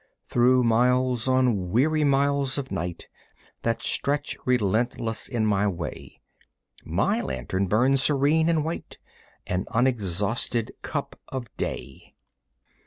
Through miles on weary miles of night That stretch relentless in my way My lantern burns serene and white, An unexhausted cup of day.